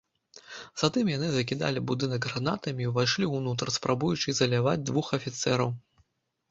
Затым яны закідалі будынак гранатамі і ўвайшлі ўнутр, спрабуючы ізаляваць двух афіцэраў.